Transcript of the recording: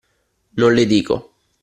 Non le dico;